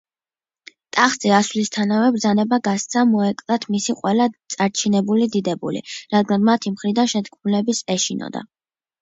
ტახტზე ასვლისთანავე ბრძანება გასცა მოეკლათ მისი ყველა წარჩინებული დიდებული, რადგან მათი მხრიდან შეთქმულების ეშინოდა.